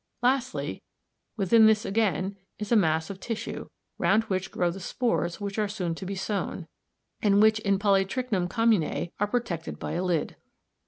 Lastly, within this again is a mass of tissue, round which grow the spores which are soon to be sown, and which in Polytrichum commune are protected by a lid.